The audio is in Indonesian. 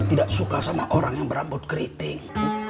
tidak suka sama orang yang berambut keriting